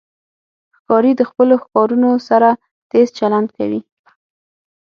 ښکاري د خپلو ښکارونو سره تیز چلند کوي.